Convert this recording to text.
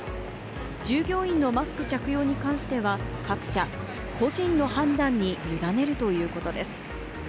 従業員のマスク着用に関しては、各社、個人の判断にゆだねるということです。